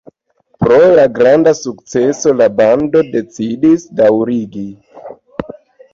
Pro la granda sukceso la bando decidis daŭrigi.